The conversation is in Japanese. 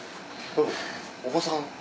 お子さん？